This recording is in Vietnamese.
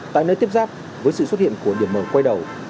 tại nơi tiếp giáp với sự xuất hiện của điểm mở quay đầu